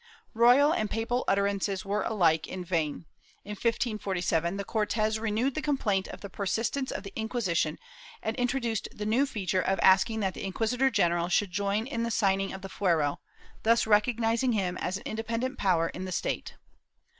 Royal and papal utterances were alike in vain. In 1547, the Cortes renewed the complaint of the persistence of the Inquisition and introduced the new feature of asking that the inquisitor general should join in signing the fuero, thus recognizing him as an independent power in the state.